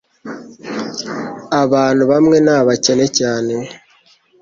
Abantu bamwe ni abakene cyane,